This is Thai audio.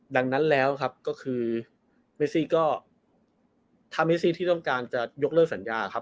ดังนั้งแมซิที่ต้องการจะยกเลิกสัญญา